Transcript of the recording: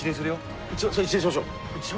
一礼しましょう。